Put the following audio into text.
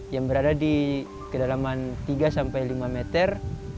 yang berada di kedalaman tiga sampai lima meter